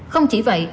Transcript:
không chỉ vậy